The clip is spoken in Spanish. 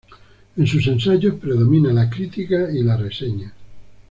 En sus ensayos predomina la crítica y la reseña.